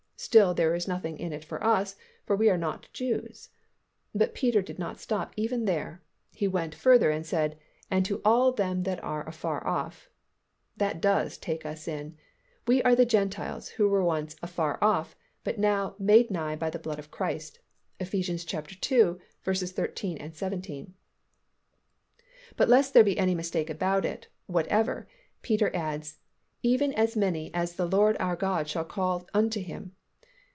Still there is nothing in it for us, for we are not Jews; but Peter did not stop even there, he went further and said, "And to all them that are afar off." That does take us in. We are the Gentiles who were once "afar off," but now "made nigh by the blood of Christ" (Eph. ii. 13, 17). But lest there be any mistake about it whatever, Peter adds "even as many as the Lord our God shall call unto Him."